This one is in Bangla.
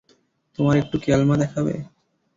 তোমার একটু কেলমা দেখাবে?